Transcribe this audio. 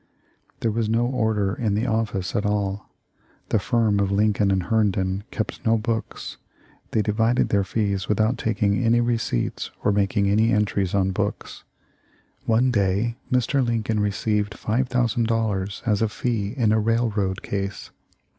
"There was no order in the office at all. The firm of Lincoln and Herndon kept no books. They divided their fees without taking any receipts or making any entries on books. One day Mr. Lin coln received $5,000 as a fee in a railroad case.